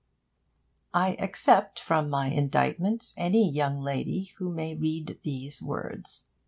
I except from my indictment any young lady who may read these words.